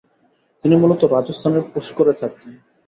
তিনি মূলত রাজস্থানের পুষ্করে থাকতেন।